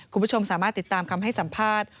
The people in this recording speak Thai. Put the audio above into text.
คุณผู้ชมสามารถติดตามคำให้สัมภาษณ์